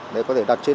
đấy có thể đặt trên